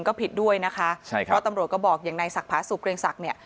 ก็ผิดด้วยนะคะเพราะตำรวจก็บอกอย่างในศักรณ์ภาษูเกรงศักดิ์